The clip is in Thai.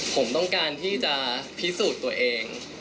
ผมต้องการที่จะพิสูจน์ตัวเอง